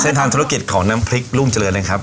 ทางธุรกิจของน้ำพริกรุ่งเจริญนะครับ